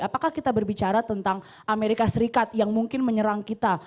apakah kita berbicara tentang amerika serikat yang mungkin menyerang kita